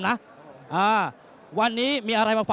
เขาคือแสงอาทิตย์แห่งชัยชนะ